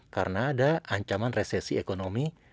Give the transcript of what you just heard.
karena ada ancaman resesi ekonomi